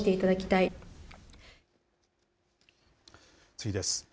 次です。